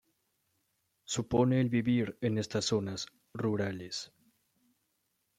supone el vivir en estas zonas rurales.